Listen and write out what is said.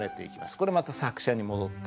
これまた作者に戻った。